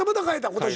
今年。